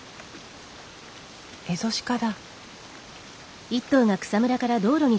エゾシカだ。